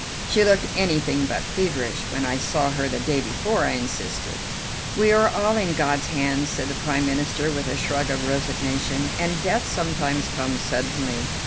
"She looked anything but feverish when I saw her the day before," I insisted. "We are all in God's hands," said the Prime Minister with a shrug of resignation, "and death sometimes comes suddenly."